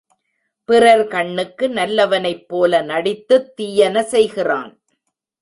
பிறர் கண்ணுக்கு நல்லவனைப்போல நடித்துத் தீயன செய்கிறான்.